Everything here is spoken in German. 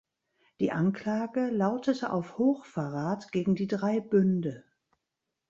Die Anklage lautete auf Hochverrat gegen die Drei Bünde.